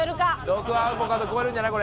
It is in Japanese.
毒アボカド超えるんじゃない？